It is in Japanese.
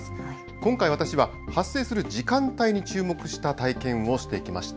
今回、私は発生する時間帯に注目した体験をしてきました。